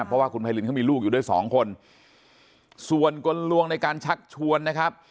เพราะว่าคุณไพรินเขามีลูกอยู่ด้วยสองคนส่วนกลลวงในการชักชวนนะครับ